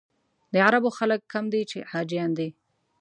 د عربو خلک کم دي چې حاجیان دي.